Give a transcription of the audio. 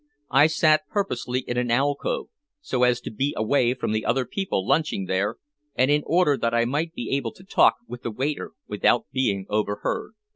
I sat purposely in an alcove, so as to be away from the other people lunching there, and in order that I might be able to talk with the waiter without being overheard.